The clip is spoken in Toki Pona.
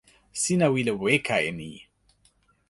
sina wile weka e ni.